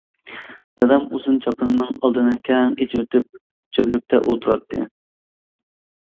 دادام ئۇزۇن چاپىنىنىڭ ئالدىنى كەڭ ئېچىۋېتىپ چۆپلۈكتە ئولتۇراتتى.